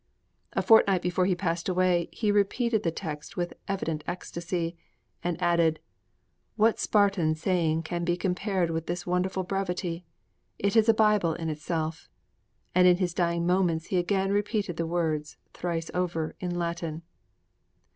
A fortnight before he passed away, he repeated the text with evident ecstasy, and added, 'What Spartan saying can be compared with this wonderful brevity? It is a Bible in itself!' And in his dying moments he again repeated the words, thrice over, in Latin.